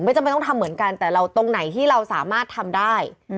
จำเป็นต้องทำเหมือนกันแต่เราตรงไหนที่เราสามารถทำได้